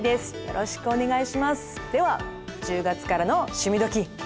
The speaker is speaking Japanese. では１０月からの「趣味どきっ！」。